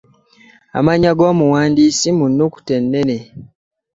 Amannya g’omuwandiisi mu nnukuta ennene.